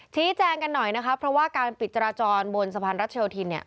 ชี้แจงกันหน่อยนะคะเพราะว่าการปิดจราจรบนสะพานรัชโยธินเนี่ย